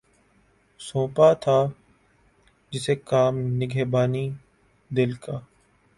سونپا تھا جسے کام نگہبانئ دل کا